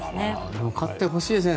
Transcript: でも勝ってほしいですね。